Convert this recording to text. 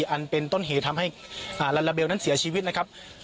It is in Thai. อันเป็นต้นเหตุทำให้ลาลาเบลนั้นเสียชีวิตนะครับ